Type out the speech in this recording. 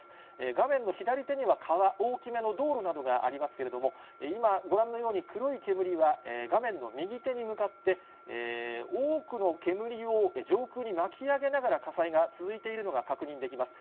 画面の左手には川、大きめの道路などがありますけれども、今、ご覧のように黒い煙が、画面の右手に向かって、多くの煙を上空に巻き上げながら、火災が続いているのが確認できます。